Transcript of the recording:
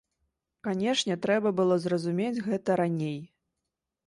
Канешне, трэба было зразумець гэта раней.